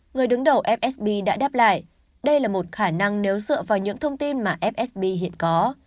người đứng đầu fsb đã đáp lại đây là một khả năng nếu dựa vào những thông tin mà fsb hiện có